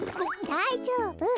だいじょうぶ。